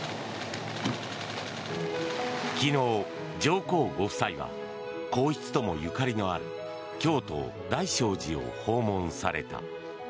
昨日、上皇ご夫妻は皇室ともゆかりのある京都・大聖寺を訪問された。